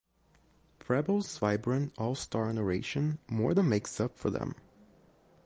Prebble's vibrant, all-star narration more than makes up for them.